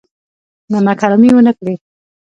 نمک حرامي ونه کړي.